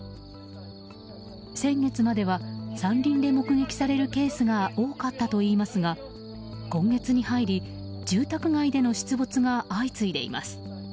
先月までは山林で目撃されるケースが多かったといいますが今月に入り住宅街での出没が相次いでいます。